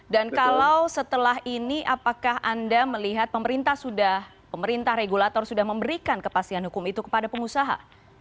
dan kalau setelah ini apakah anda melihat pemerintah sudah pemerintah regulator sudah memberikan kepastian hukum itu kepada pengusaha